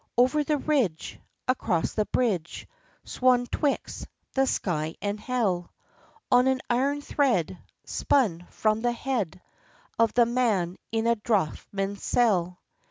Over the ridge, Across the bridge, Swung twixt the sky and hell, On an iron thread Spun from the head Of the man in a draughtsman's cell.